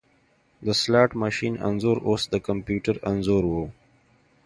د سلاټ ماشین انځور اوس د کمپیوټر انځور و